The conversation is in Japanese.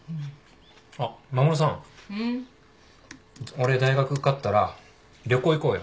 俺大学受かったら旅行行こうよ。